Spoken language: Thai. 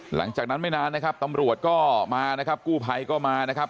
หลังจากนั้นไม่นานนะครับตำรวจก็มานะครับกู้ภัยก็มานะครับ